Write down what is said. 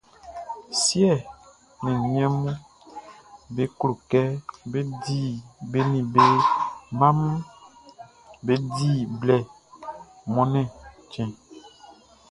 Siɛ ni niɛnʼm be klo kɛ be ni be mmaʼm be di blɛ Mɔnnɛn chtɛnʼn.